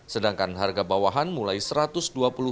sedangkan harga bawahan mulai satu ratus dua puluh ribuan rupiah